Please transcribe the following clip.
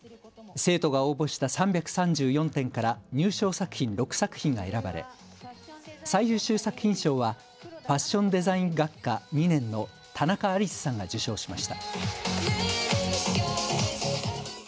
生徒が応募した３３４点から入賞作品６作品が選ばれ最優秀作品賞はファッションデザイン学科２年の田中アリスさんが受賞しました。